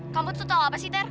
kamu tuh tau apa sih ter